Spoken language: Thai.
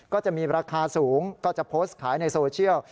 ก็จะมีราคาสูงก็จะโพสต์ขายในโซเชียล